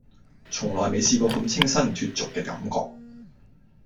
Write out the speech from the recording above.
從來未試過咁清新脫俗嘅感覺